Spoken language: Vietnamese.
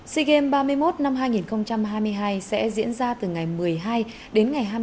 c game ba mươi một năm hai nghìn hai mươi hai sẽ diễn ra từ ngày một mươi hai đến ngày một mươi chín